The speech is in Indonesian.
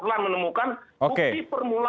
dan menemukan bukti permulaan